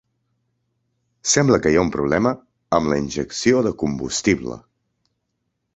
Sembla que hi ha un problema amb la injecció de combustible.